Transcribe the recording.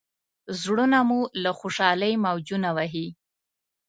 زړونه مو له خوشالۍ موجونه وهي.